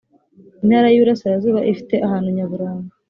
intara y ‘iburasirazuba ifite ahantu nyaburanga.